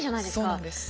そうなんです。